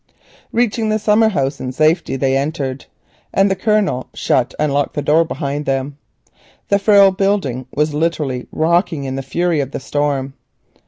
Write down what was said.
Reaching the summer house in safety, they entered, and the Colonel shut and locked the door behind them. The frail building was literally rocking in the fury of the storm.